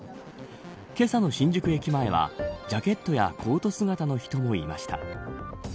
けさの新宿駅前はジャケットやコート姿の人もいました。